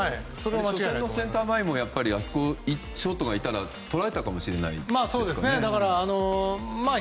センター前もショートがいたらとられたかもしれないですからね。